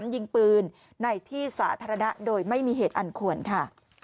ยิงปืนในที่สาธารณะโดยไม่มีเหตุอันควรค่ะ